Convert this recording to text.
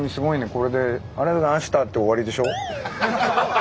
これで「ありがとうございました」って終わりでしょ？